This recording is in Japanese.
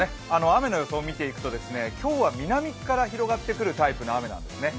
雨の予想を見ていくと、今日は南から広がっていくタイプの雨なんですね。